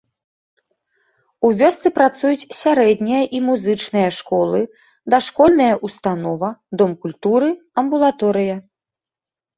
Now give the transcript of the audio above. У вёсцы працуюць сярэдняя і музычная школы, дашкольная ўстанова, дом культуры, амбулаторыя.